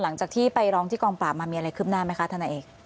หลังจากที่ไปร้องที่กองปราบมามีอะไรคืบหน้าไหมคะธนาเอก